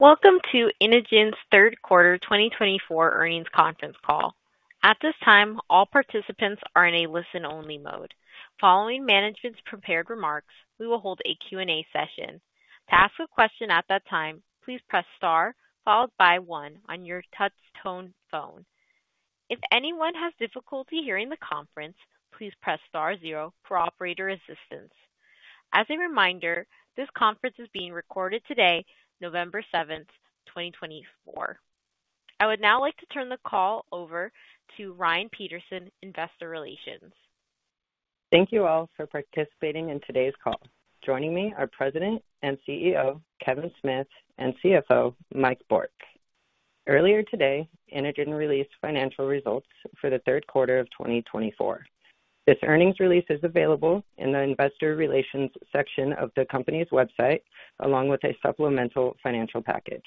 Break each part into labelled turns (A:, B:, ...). A: Welcome to Inogen's third quarter 2024 earnings conference call. At this time, all participants are in a listen-only mode. Following management's prepared remarks, we will hold a Q&A session. To ask a question at that time, please press star followed by one on your touch-tone phone. If anyone has difficulty hearing the conference, please press star zero for operator assistance. As a reminder, this conference is being recorded today, November 7th, 2024. I would now like to turn the call over to Ryan Peterson, Investor Relations.
B: Thank you all for participating in today's call. Joining me are President and CEO Kevin Smith and CFO Mike Bourque. Earlier today, Inogen released financial results for the third quarter of 2024. This earnings release is available in the Investor Relations section of the company's website, along with a supplemental financial package.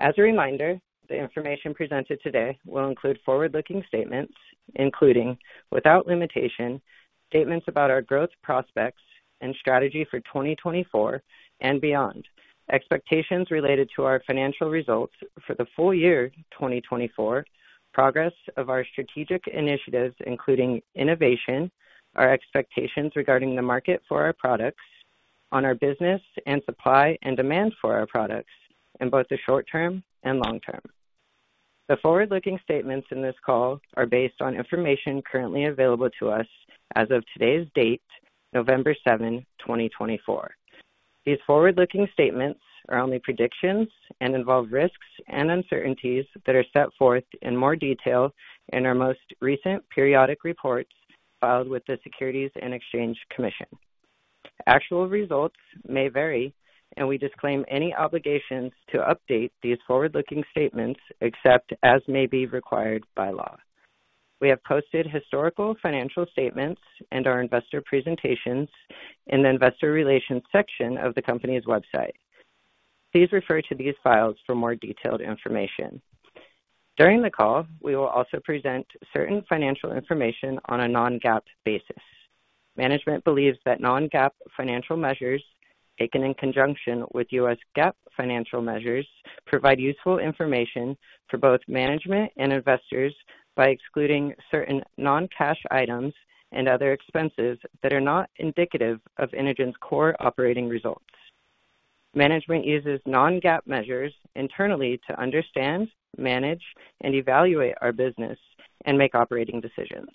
B: As a reminder, the information presented today will include forward-looking statements, including without limitation, statements about our growth prospects and strategy for 2024 and beyond, expectations related to our financial results for the full year 2024, progress of our strategic initiatives, including innovation, our expectations regarding the market for our products, on our business and supply and demand for our products in both the short term and long term. The forward-looking statements in this call are based on information currently available to us as of today's date, November 7, 2024. These forward-looking statements are only predictions and involve risks and uncertainties that are set forth in more detail in our most recent periodic reports filed with the Securities and Exchange Commission. Actual results may vary, and we disclaim any obligations to update these forward-looking statements except as may be required by law. We have posted historical financial statements and our investor presentations in the Investor Relations section of the company's website. Please refer to these files for more detailed information. During the call, we will also present certain financial information on a non-GAAP basis. Management believes that non-GAAP financial measures taken in conjunction with U.S. GAAP financial measures provide useful information for both management and investors by excluding certain non-cash items and other expenses that are not indicative of Inogen's core operating results. Management uses non-GAAP measures internally to understand, manage, and evaluate our business and make operating decisions.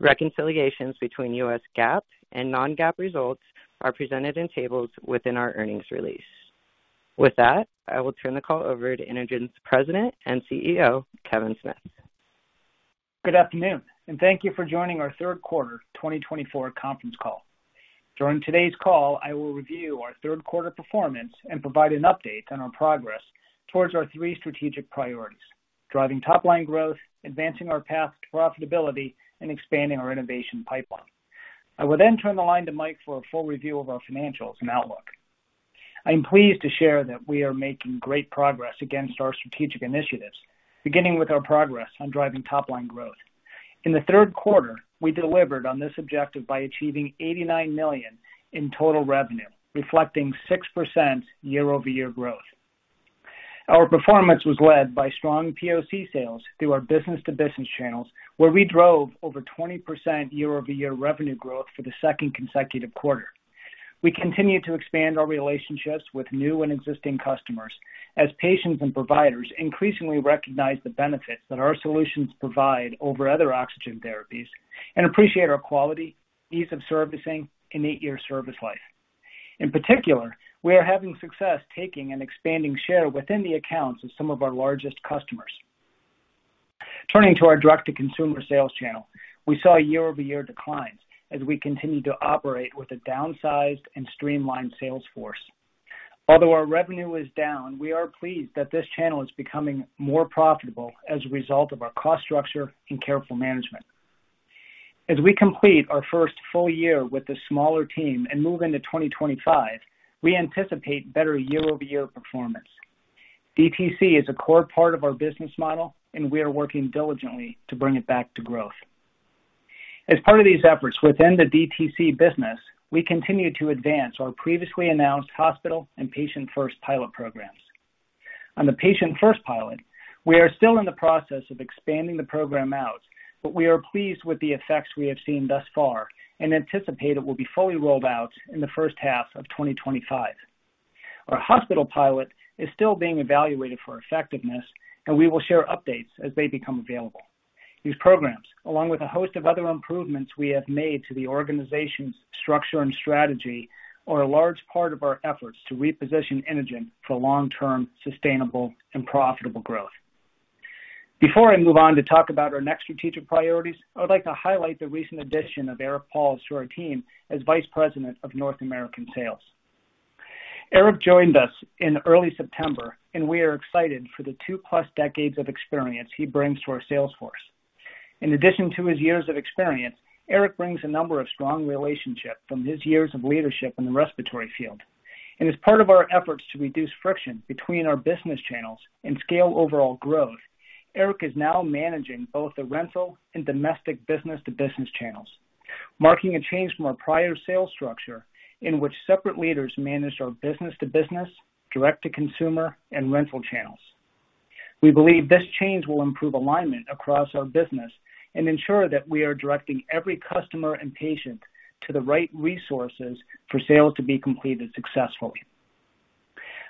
B: Reconciliations between U.S. GAAP and non-GAAP results are presented in tables within our earnings release. With that, I will turn the call over to Inogen's President and CEO, Kevin Smith.
C: Good afternoon, and thank you for joining our third quarter 2024 conference call. During today's call, I will review our third quarter performance and provide an update on our progress towards our three strategic priorities: driving top-line growth, advancing our path to profitability, and expanding our innovation pipeline. I will then turn the line to Mike for a full review of our financials and outlook. I am pleased to share that we are making great progress against our strategic initiatives, beginning with our progress on driving top-line growth. In the third quarter, we delivered on this objective by achieving $89 million in total revenue, reflecting 6% year-over-year growth. Our performance was led by strong POC sales through our business-to-business channels, where we drove over 20% year-over-year revenue growth for the second consecutive quarter. We continue to expand our relationships with new and existing customers as patients and providers increasingly recognize the benefits that our solutions provide over other oxygen therapies and appreciate our quality, ease of servicing, and eight-year service life. In particular, we are having success taking and expanding share within the accounts of some of our largest customers. Turning to our direct-to-consumer sales channel, we saw year-over-year declines as we continue to operate with a downsized and streamlined sales force. Although our revenue is down, we are pleased that this channel is becoming more profitable as a result of our cost structure and careful management. As we complete our first full year with a smaller team and move into 2025, we anticipate better year-over-year performance. DTC is a core part of our business model, and we are working diligently to bring it back to growth. As part of these efforts within the DTC business, we continue to advance our previously announced hospital and Patient-First pilot programs. On the Patient-First pilot, we are still in the process of expanding the program out, but we are pleased with the effects we have seen thus far and anticipate it will be fully rolled out in the first half of 2025. Our hospital pilot is still being evaluated for effectiveness, and we will share updates as they become available. These programs, along with a host of other improvements we have made to the organization's structure and strategy, are a large part of our efforts to reposition Inogen for long-term, sustainable, and profitable growth. Before I move on to talk about our next strategic priorities, I would like to highlight the recent addition of Eric Pauls to our team as Vice President of North American Sales. Eric joined us in early September, and we are excited for the two-plus decades of experience he brings to our sales force. In addition to his years of experience, Eric brings a number of strong relationships from his years of leadership in the respiratory field. And as part of our efforts to reduce friction between our business channels and scale overall growth, Eric is now managing both the rental and domestic business-to-business channels, marking a change from our prior sales structure in which separate leaders managed our business-to-business, direct-to-consumer, and rental channels. We believe this change will improve alignment across our business and ensure that we are directing every customer and patient to the right resources for sales to be completed successfully.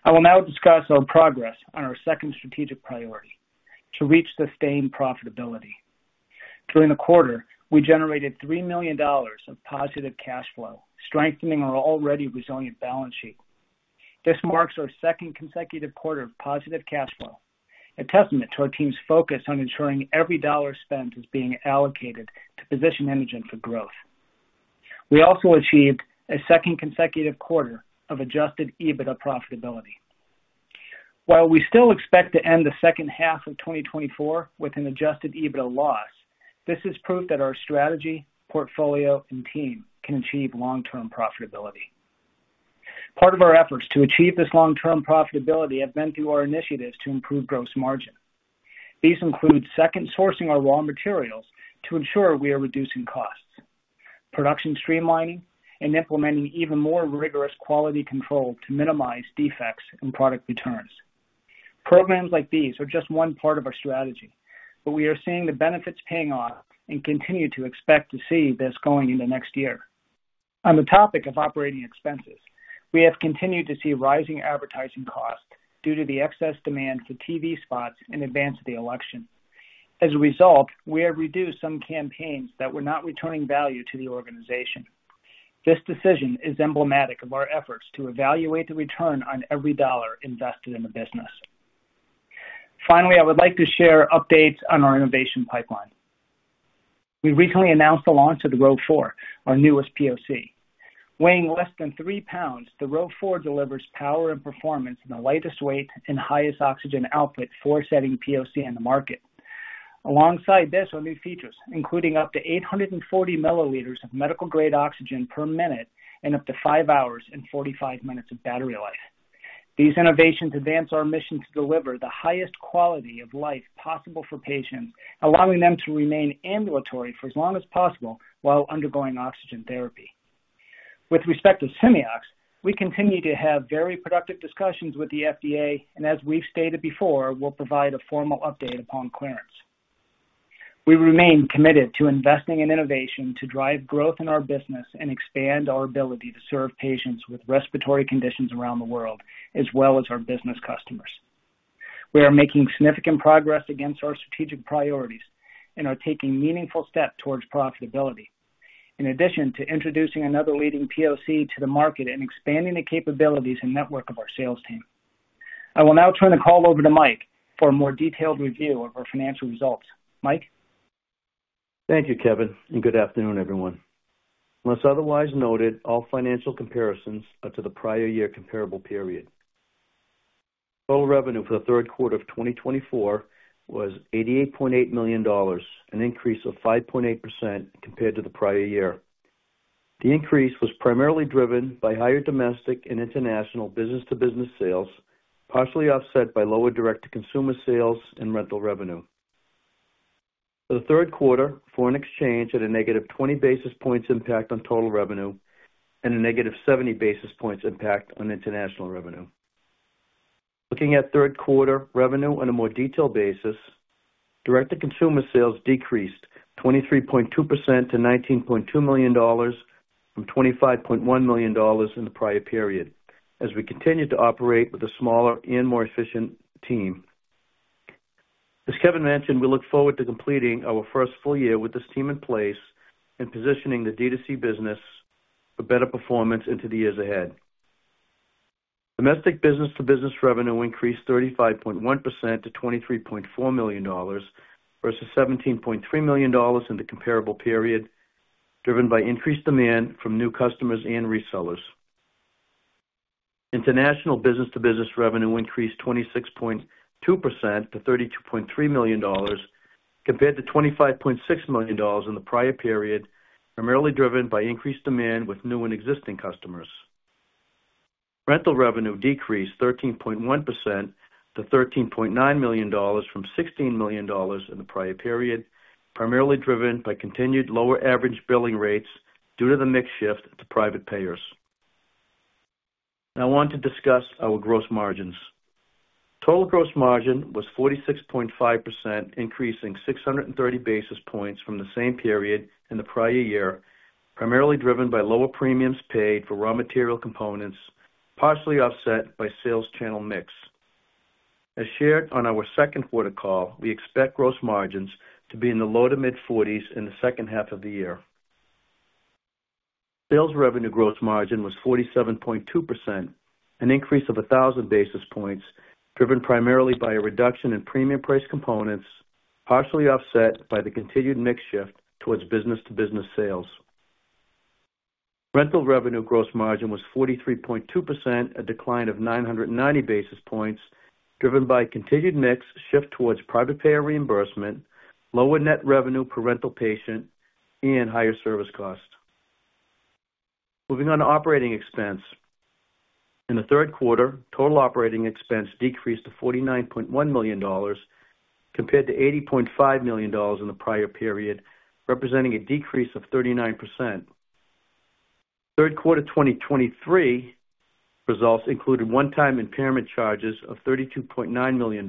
C: I will now discuss our progress on our second strategic priority: to reach sustained profitability. During the quarter, we generated $3 million of positive cash flow, strengthening our already resilient balance sheet. This marks our second consecutive quarter of positive cash flow, a testament to our team's focus on ensuring every dollar spent is being allocated to position Inogen for growth. We also achieved a second consecutive quarter of Adjusted EBITDA profitability. While we still expect to end the H2 of 2024 with an Adjusted EBITDA loss, this is proof that our strategy, portfolio, and team can achieve long-term profitability. Part of our efforts to achieve this long-term profitability have been through our initiatives to improve gross margin. These include second-sourcing our raw materials to ensure we are reducing costs, production streamlining, and implementing even more rigorous quality control to minimize defects and product returns. Programs like these are just one part of our strategy, but we are seeing the benefits paying off and continue to expect to see this going into next year. On the topic of operating expenses, we have continued to see rising advertising costs due to the excess demand for TV spots in advance of the election. As a result, we have reduced some campaigns that were not returning value to the organization. This decision is emblematic of our efforts to evaluate the return on every dollar invested in the business. Finally, I would like to share updates on our innovation pipeline. We recently announced the launch of the Rove 4, our newest POC. Weighing less than three pounds, the Rove 4 delivers power and performance in the lightest weight and highest oxygen output four-setting POC on the market. Alongside this, our new features, including up to 840 milliliters of medical-grade oxygen per minute and up to five hours and 45 minutes of battery life. These innovations advance our mission to deliver the highest quality of life possible for patients, allowing them to remain ambulatory for as long as possible while undergoing oxygen therapy. With respect to Simeox, we continue to have very productive discussions with the FDA, and as we've stated before, we'll provide a formal update upon clearance. We remain committed to investing in innovation to drive growth in our business and expand our ability to serve patients with respiratory conditions around the world, as well as our business customers. We are making significant progress against our strategic priorities and are taking meaningful steps towards profitability, in addition to introducing another leading POC to the market and expanding the capabilities and network of our sales team. I will now turn the call over to Mike for a more detailed review of our financial results. Mike.
D: Thank you, Kevin, and good afternoon, everyone. Unless otherwise noted, all financial comparisons are to the prior year comparable period. Total revenue for the third quarter of 2024 was $88.8 million, an increase of 5.8% compared to the prior year. The increase was primarily driven by higher domestic and international business-to-business sales, partially offset by lower direct-to-consumer sales and rental revenue. For the third quarter, foreign exchange had a negative 20 basis points impact on total revenue and a negative 70 basis points impact on international revenue. Looking at third quarter revenue on a more detailed basis, direct-to-consumer sales decreased 23.2% to $19.2 million from $25.1 million in the prior period as we continue to operate with a smaller and more efficient team. As Kevin mentioned, we look forward to completing our first full year with this team in place and positioning the DTC business for better performance into the years ahead. Domestic business-to-business revenue increased 35.1% to $23.4 million versus $17.3 million in the comparable period, driven by increased demand from new customers and resellers. International business-to-business revenue increased 26.2% to $32.3 million compared to $25.6 million in the prior period, primarily driven by increased demand with new and existing customers. Rental revenue decreased 13.1% to $13.9 million from $16 million in the prior period, primarily driven by continued lower average billing rates due to the mixed shift to private payers. Now I want to discuss our gross margins. Total gross margin was 46.5%, increasing 630 basis points from the same period in the prior year, primarily driven by lower premiums paid for raw material components, partially offset by sales channel mix. As shared on our second quarter call, we expect gross margins to be in the low to mid-40s in the second half of the year. Sales revenue gross margin was 47.2%, an increase of 1,000 basis points, driven primarily by a reduction in premium price components, partially offset by the continued mix shift towards business-to-business sales. Rental revenue gross margin was 43.2%, a decline of 990 basis points, driven by continued mix shift towards private payer reimbursement, lower net revenue per rental patient, and higher service cost. Moving on to operating expense. In the third quarter, total operating expense decreased to $49.1 million compared to $80.5 million in the prior period, representing a decrease of 39%. Third quarter 2023 results included one-time impairment charges of $32.9 million.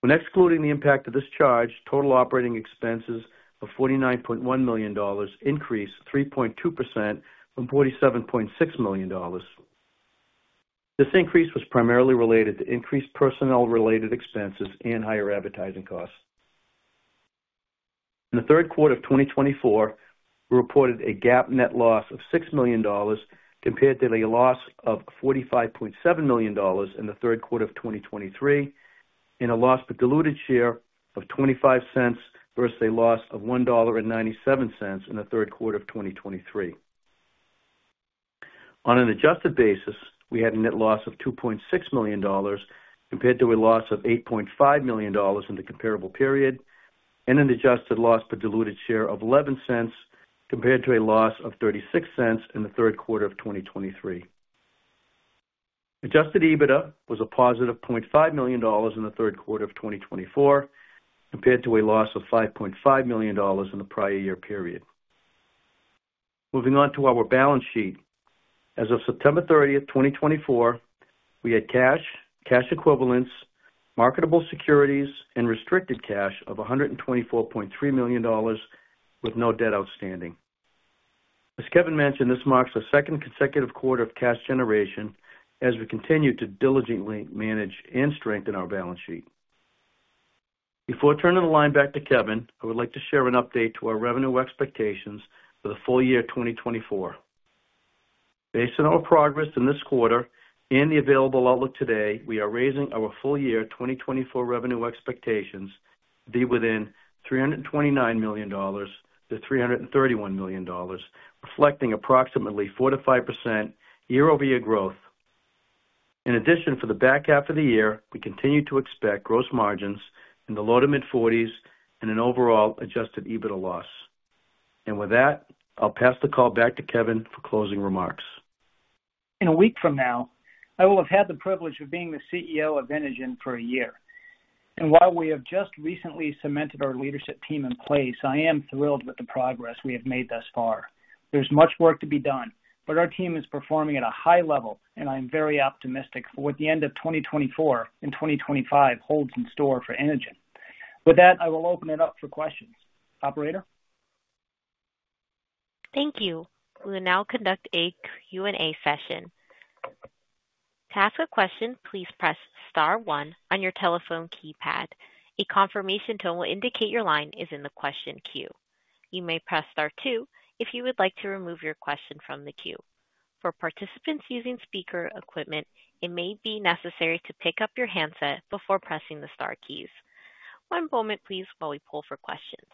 D: When excluding the impact of this charge, total operating expenses of $49.1 million increased 3.2% from $47.6 million. This increase was primarily related to increased personnel-related expenses and higher advertising costs. In the third quarter of 2024, we reported a GAAP net loss of $6 million compared to a loss of $45.7 million in the third quarter of 2023, and a loss per diluted share of $0.25 versus a loss of $1.97 in the third quarter of 2023. On an adjusted basis, we had a net loss of $2.6 million compared to a loss of $8.5 million in the comparable period, and an adjusted loss per diluted share of $0.11 compared to a loss of $0.36 in the third quarter of 2023. Adjusted EBITDA was a positive $0.5 million in the third quarter of 2024 compared to a loss of $5.5 million in the prior year period. Moving on to our balance sheet. As of September 30, 2024, we had cash, cash equivalents, marketable securities, and restricted cash of $124.3 million with no debt outstanding. As Kevin mentioned, this marks the second consecutive quarter of cash generation as we continue to diligently manage and strengthen our balance sheet. Before turning the line back to Kevin, I would like to share an update to our revenue expectations for the full year 2024. Based on our progress in this quarter and the available outlook today, we are raising our full year 2024 revenue expectations to be within $329 million-$331 million, reflecting approximately 4%-5% year-over-year growth. In addition, for the back half of the year, we continue to expect gross margins in the low to mid-40s% and an overall adjusted EBITDA loss. And with that, I'll pass the call back to Kevin for closing remarks.
C: In a week from now, I will have had the privilege of being the CEO of Inogen for a year. And while we have just recently cemented our leadership team in place, I am thrilled with the progress we have made thus far. There's much work to be done, but our team is performing at a high level, and I'm very optimistic for what the end of 2024 and 2025 holds in store for Inogen. With that, I will open it up for questions. Operator?
A: Thank you. We will now conduct a Q&A session. To ask a question, please press star one on your telephone keypad. A confirmation tone will indicate your line is in the question queue. You may press star two if you would like to remove your question from the queue. For participants using speaker equipment, it may be necessary to pick up your handset before pressing the star keys. One moment, please, while we pull for questions.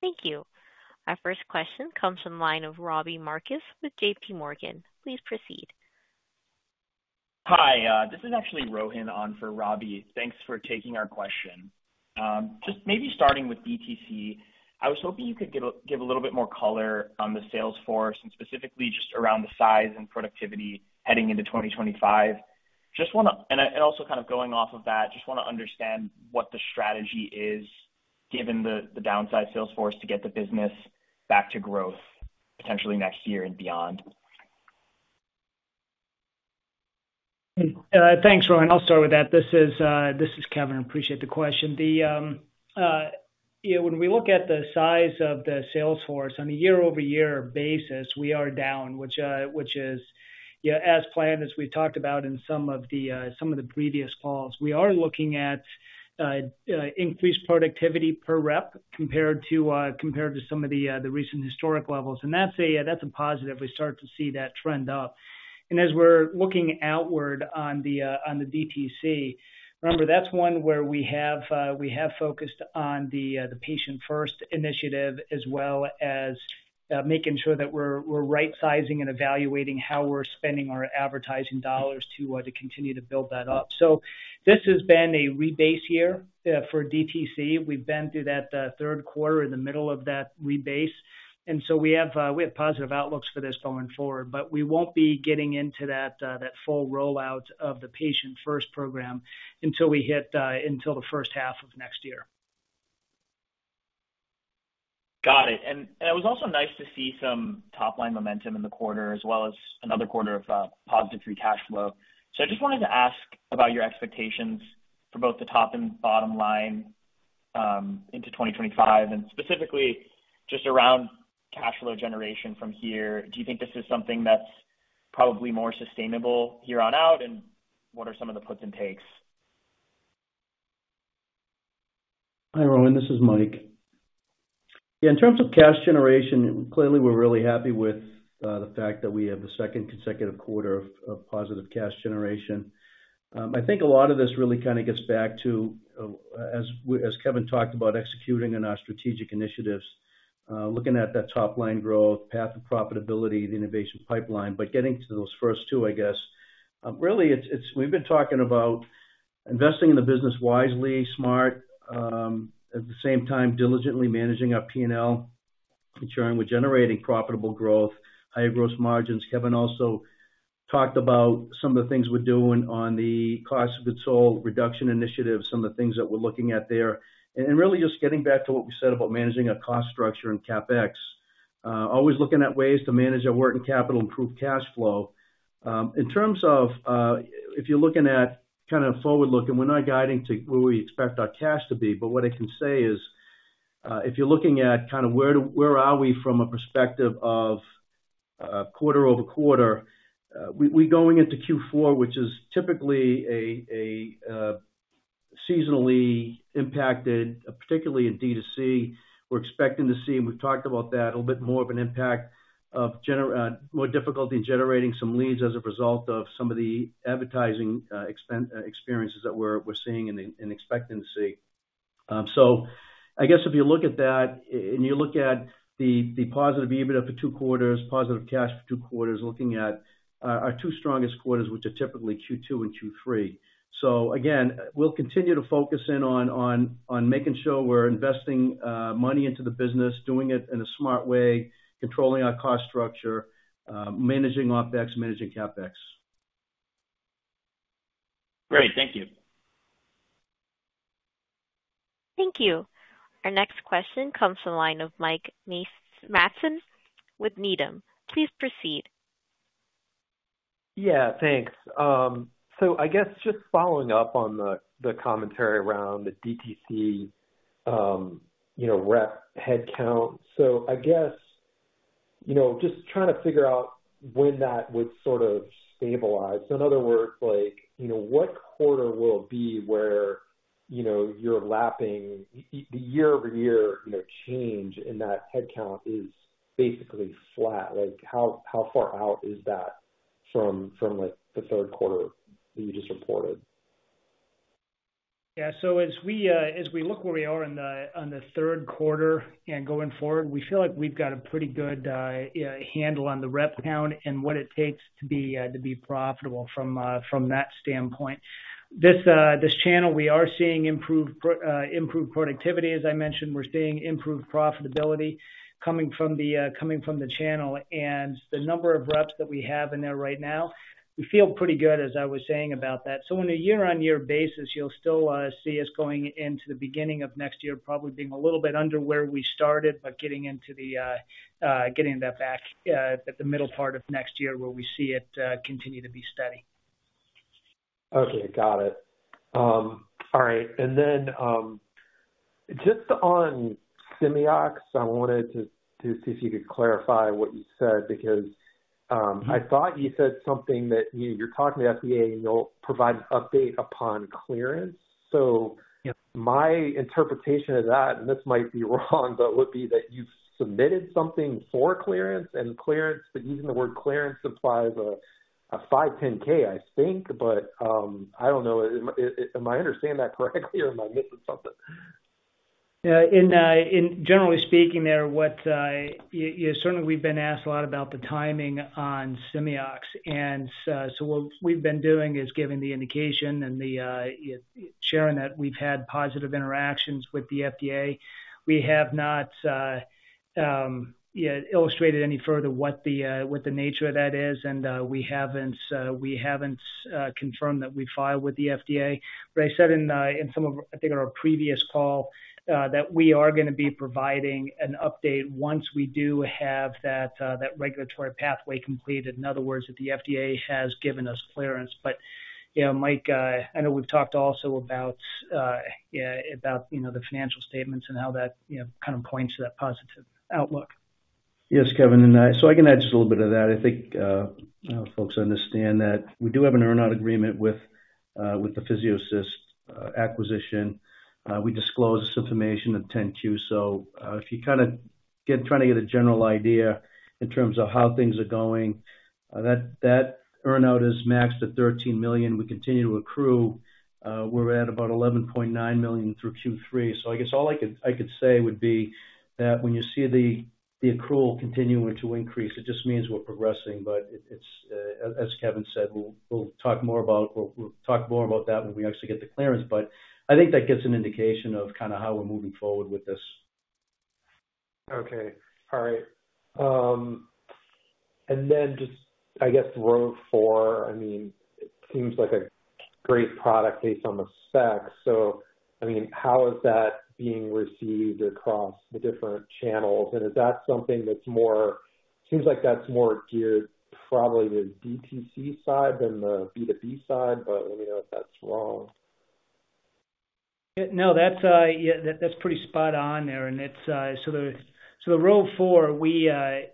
A: Thank you. Our first question comes from the line of Robbie Marcus with J.P. Morgan. Please proceed.
E: Hi. This is actually Rohan on for Robbie. Thanks for taking our question. Just maybe starting with DTC, I was hoping you could give a little bit more color on the sales force and specifically just around the size and productivity heading into 2025. And also kind of going off of that, just want to understand what the strategy is given the downside sales force to get the business back to growth potentially next year and beyond.
C: Thanks, Rohan. I'll start with that. This is Kevin. Appreciate the question. When we look at the size of the sales force on a year-over-year basis, we are down, which is as planned, as we've talked about in some of the previous calls. We are looking at increased productivity per rep compared to some of the recent historic levels. And that's a positive. We start to see that trend up. And as we're looking outward on the DTC, remember, that's one where we have focused on the Patient-First initiative as well as making sure that we're right-sizing and evaluating how we're spending our advertising dollars to continue to build that up. So this has been a rebase year for DTC. We've been through that third quarter in the middle of that rebase. We have positive outlooks for this going forward, but we won't be getting into that full rollout of the Patient-First program until we hit the H1 of next year.
E: Got it. And it was also nice to see some top-line momentum in the quarter as well as another quarter of positive free cash flow. So I just wanted to ask about your expectations for both the top and bottom line into 2025, and specifically just around cash flow generation from here. Do you think this is something that's probably more sustainable here on out, and what are some of the puts and takes?
D: Hi, Rohan. This is Mike. Yeah, in terms of cash generation, clearly, we're really happy with the fact that we have the second consecutive quarter of positive cash generation. I think a lot of this really kind of gets back to, as Kevin talked about, executing on our strategic initiatives, looking at that top-line growth, path of profitability, the innovation pipeline, but getting to those first two, I guess. Really, we've been talking about investing in the business wisely, smart, at the same time, diligently managing our P&L, ensuring we're generating profitable growth, higher gross margins. Kevin also talked about some of the things we're doing on the cost of goods sold reduction initiative, some of the things that we're looking at there. Really, just getting back to what we said about managing our cost structure and CapEx, always looking at ways to manage our working capital, improve cash flow. In terms of if you're looking at kind of forward-looking, we're not guiding to where we expect our cash to be, but what I can say is if you're looking at kind of where are we from a perspective of quarter-over-quarter, we're going into Q4, which is typically a seasonally impacted, particularly in DTC. We're expecting to see, and we've talked about that, a little bit more of an impact of more difficulty in generating some leads as a result of some of the advertising experiences that we're seeing and expecting to see. So I guess if you look at that and you look at the positive EBITDA for two quarters, positive cash for two quarters, looking at our two strongest quarters, which are typically Q2 and Q3. So again, we'll continue to focus in on making sure we're investing money into the business, doing it in a smart way, controlling our cost structure, managing OpEx, managing CapEx.
E: Great. Thank you.
A: Thank you. Our next question comes from the line of Mike Matson with Needham. Please proceed.
F: Yeah, thanks. So I guess just following up on the commentary around the DTC rep headcount. So I guess just trying to figure out when that would sort of stabilize. So in other words, what quarter will it be where you're lapping the year-over-year change in that headcount is basically flat? How far out is that from the third quarter that you just reported?
C: Yeah, so as we look where we are in the third quarter and going forward, we feel like we've got a pretty good handle on the rep count and what it takes to be profitable from that standpoint. This channel, we are seeing improved productivity, as I mentioned. We're seeing improved profitability coming from the channel, and the number of reps that we have in there right now, we feel pretty good, as I was saying about that, so on a year-on-year basis, you'll still see us going into the beginning of next year probably being a little bit under where we started, but getting into the getting that back at the middle part of next year where we see it continue to be steady.
F: Okay. Got it. All right. And then just on Simeox, I wanted to see if you could clarify what you said because I thought you said something that you're talking to the FDA and you'll provide an update upon clearance. So my interpretation of that, and this might be wrong, but would be that you've submitted something for clearance, and clearance, but using the word clearance implies a 510(k), I think, but I don't know. Am I understanding that correctly, or am I missing something?
C: Yeah. And generally speaking there, certainly we've been asked a lot about the timing on Simeox. And so what we've been doing is giving the indication and sharing that we've had positive interactions with the FDA. We have not illustrated any further what the nature of that is, and we haven't confirmed that we've filed with the FDA. But I said in some of, I think, our previous call that we are going to be providing an update once we do have that regulatory pathway completed. In other words, that the FDA has given us clearance. But Mike, I know we've talked also about the financial statements and how that kind of points to that positive outlook.
D: Yes, Kevin. And so I can add just a little bit of that. I think folks understand that we do have an earn-out agreement with the PhysioAssist acquisition. We disclose this information at 10-Q. So if you kind of try to get a general idea in terms of how things are going, that earn-out is maxed at $13 million. We continue to accrue. We're at about $11.9 million through Q3. So I guess all I could say would be that when you see the accrual continuing to increase, it just means we're progressing. But as Kevin said, we'll talk more about that when we actually get the clearance. But I think that gets an indication of kind of how we're moving forward with this.
F: Okay. All right. And then just, I guess, Rove 4, I mean, it seems like a great product based on the specs. So I mean, how is that being received across the different channels? And is that something that's more it seems like that's more geared probably to the DTC side than the B2B side, but let me know if that's wrong.
C: No, that's pretty spot on there. And so the Rove 4, we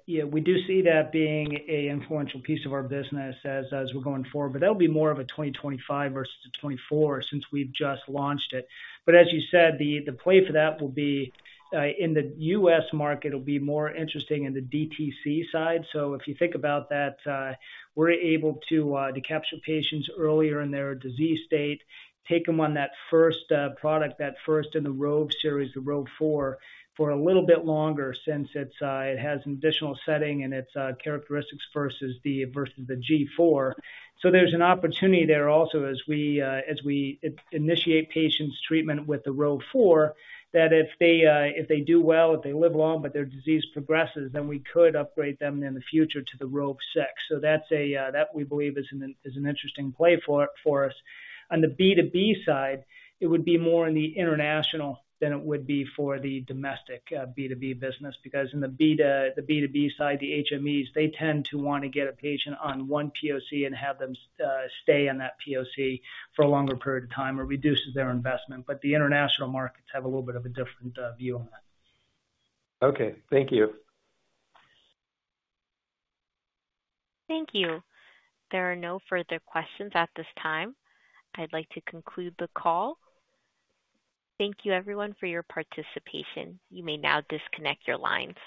C: do see that being an influential piece of our business as we're going forward, but that'll be more of a 2025 versus a 2024 since we've just launched it. But as you said, the play for that will be in the U.S. market, it'll be more interesting in the DTC side. So if you think about that, we're able to capture patients earlier in their disease state, take them on that first product, that first in the Rove series, the Rove 4, for a little bit longer since it has an additional setting and its characteristics versus the G4. So there's an opportunity there also as we initiate patients' treatment with the Rove 4, that if they do well, if they live long, but their disease progresses, then we could upgrade them in the future to the Rove 6. So that we believe is an interesting play for us. On the B2B side, it would be more in the international than it would be for the domestic B2B business because in the B2B side, the HMEs, they tend to want to get a patient on one POC and have them stay on that POC for a longer period of time or reduces their investment. But the international markets have a little bit of a different view on that.
F: Okay. Thank you.
A: Thank you. There are no further questions at this time. I'd like to conclude the call. Thank you, everyone, for your participation. You may now disconnect your lines.